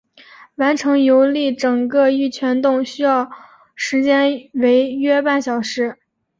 完成游历整个玉泉洞需要时间为约半小时。